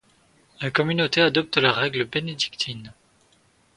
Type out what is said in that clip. La communauté adopte la règle bénédictine.